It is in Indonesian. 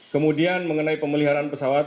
kemudian mengenai pemeliharaan pesawat